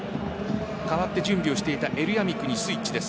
代わって準備をしていたエルヤミクにスイッチです。